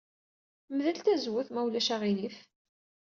Mdel tazewwut, ma ulac aɣilif.